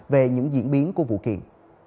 về những diễn biến của vụ kiện